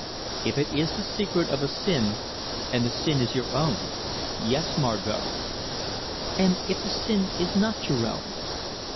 "If it is the secret of a sin, and the sin is your own yes, Margot." "And if the sin is not your own?"